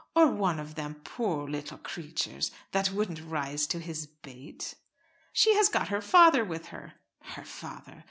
or one of them, poor little creatures, that wouldn't rise to his bait?" "She has got her father with her." "Her father!